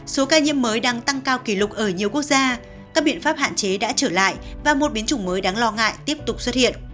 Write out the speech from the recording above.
số ca nhiễm mới đang tăng cao kỷ lục ở nhiều quốc gia các biện pháp hạn chế đã trở lại và một biến chủng mới đáng lo ngại tiếp tục xuất hiện